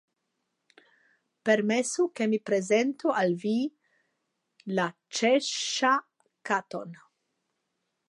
Permesu ke mi prezentu al vi la Ĉeŝŝa Katon.